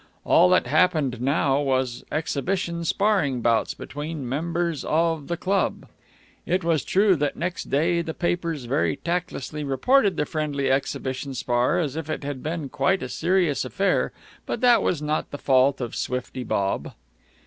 All that happened now was exhibition sparring bouts between members of the club. It is true that next day the papers very tactlessly reported the friendly exhibition spar as if it had been quite a serious affair, but that was not the fault of Swifty Bob.